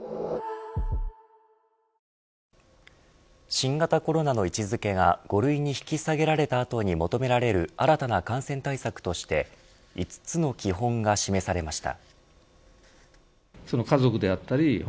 新型コロナの位置づけが５類に引き下げられた後に求められる新たな感染対策として５つの基本が示されました。